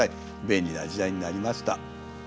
便利な時代になりました。